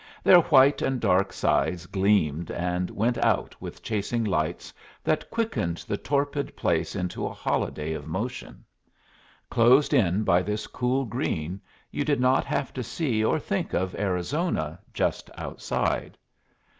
Their white and dark sides gleamed and went out with chasing lights that quickened the torpid place into a holiday of motion. Closed in by this cool green, you did not have to see or think of Arizona, just outside.